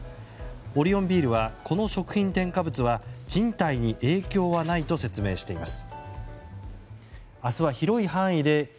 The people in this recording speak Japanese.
オリオンビールはこの食品添加物は人体に影響はないと説明しています。